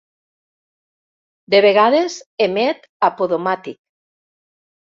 De vegades emet a podomatic.